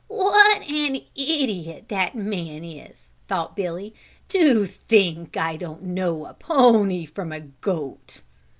"What an idiot that man is!" thought Billy, "to think I don't know a pony from a goat."